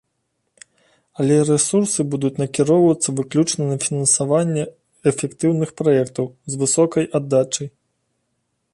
Але рэсурсы будуць накіроўвацца выключна на фінансаванне эфектыўных праектаў, з высокай аддачай.